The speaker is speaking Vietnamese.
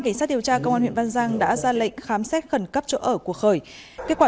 cảnh sát điều tra công an huyện văn giang đã ra lệnh khám xét khẩn cấp chỗ ở của khởi kết quả